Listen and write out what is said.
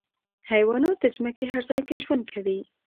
حیوانات د ځمکې هر ځای کې ژوند کوي.